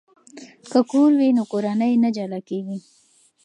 که کور وي نو کورنۍ نه جلا کیږي.